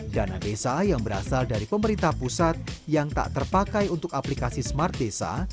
dana desa yang berasal dari pemerintah pusat yang tak terpakai untuk aplikasi smart desa